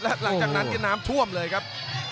หลังจากนั้นก็น้ำท่วมเลยครับ